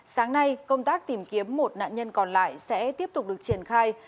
sáng nay công tác tìm kiếm một nạn nhân còn lại sẽ tiếp tục được triển khai